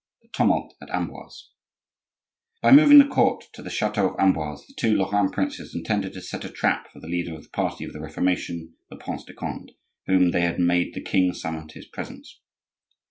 THE TUMULT AT AMBOISE By moving the court to the chateau of Amboise, the two Lorrain princes intended to set a trap for the leader of the party of the Reformation, the Prince de Conde, whom they had made the king summon to his presence.